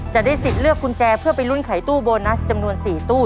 จะได้สิทธิ์เลือกกุญแจเพื่อไปลุ้นไขตู้โบนัสจำนวน๔ตู้